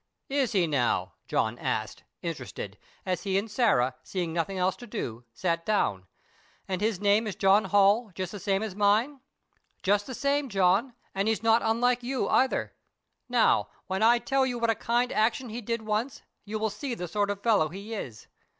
"Is he, now?" John asked, interested, as he and Sarah, seeing nothing else to do, sat down. "And his name is John Holl, just the same as mine?" "Just the same, John, and he's not unlike you either. Now, when I tell you what a kind action he did once, you will see the sort of fellow he is.